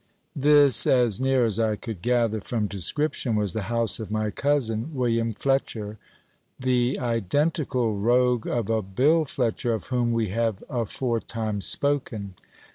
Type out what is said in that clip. This, as near as I could gather from description, was the house of my cousin, William Fletcher, the identical rogue of a Bill Fletcher of whom we have aforetime spoken.